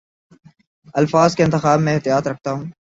الفاظ کے انتخاب میں احتیاط رکھتا ہوں